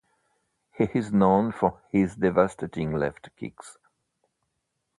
He is known for his devastating left kicks.